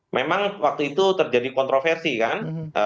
memang waktu itu terjadi kontroversi kan